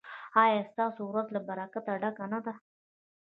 ایا ستاسو ورځ له برکته ډکه نه ده؟